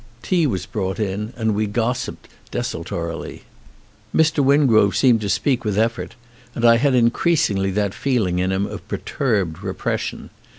Tea was brought in and we gossiped desul torily. Mr. Wingrove seemed to speak with effort, and I had increasingly that feeling in him of per turbed repression.